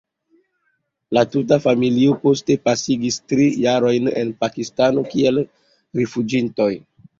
La tuta familio poste pasigis tri jarojn en Pakistano kiel rifuĝintoj.